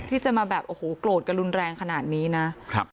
ที่จะมาแบบโอ้โหโกรธกันรุนแรงขนาดนี้นะครับ